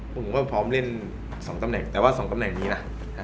ผมก็พร้อมเล่น๒ตำแหน่งแต่ว่า๒ตำแหน่งนี้นะ